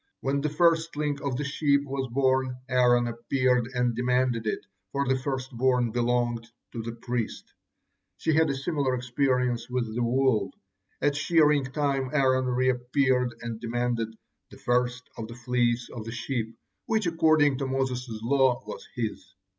When the firstling of the sheep was born, Aaron appeared and demanded it, for the firstborn belongs to the priest. She had a similar experience with the wool. At shearing time Aaron reappeared and demanded 'the first of the fleece of the sheep,' which, according to Moses' law, was his.